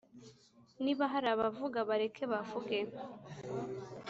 niba hari abavuga, bareke bavuge